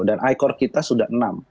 dan i core kita sudah enam